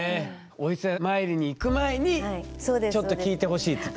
お伊勢参りに行く前にちょっと聞いてほしいと。